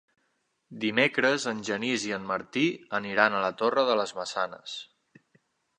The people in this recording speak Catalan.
Dimecres en Genís i en Martí aniran a la Torre de les Maçanes.